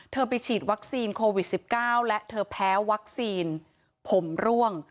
เธอไปฉีดวัคซีนโควิดสิบเก้าและเธอแพ้วัคซีนผมร่วง